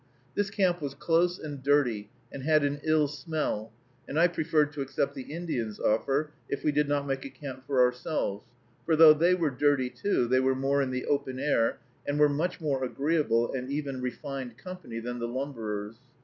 This camp was close and dirty, and had an ill smell, and I preferred to accept the Indians' offer, if we did not make a camp for ourselves; for, though they were dirty, too, they were more in the open air, and were much more agreeable, and even refined company, than the lumberers.